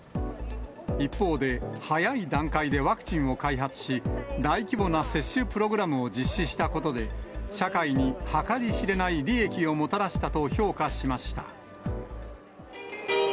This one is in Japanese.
一方で、早い段階でワクチンを開発し、大規模な接種プログラムを実施したことで、社会に計り知れない利益をもたらしたと評価しました。